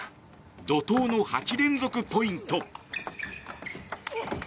怒涛の８連続ポイント。